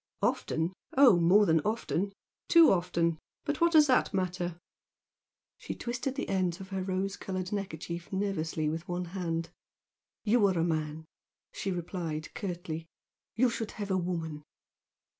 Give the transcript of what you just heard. "Often? Oh, more than often! Too often! But what does that matter?" She twisted the ends of her rose coloured neckerchief nervously with one hand. "You are a man" she replied, curtly "You should have a woman."